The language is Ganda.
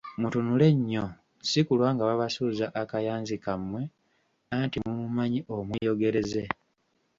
Mutunule nnyo si kulwa nga babasuuza akayanzi kammwe, anti mumumanyi omweyogereze .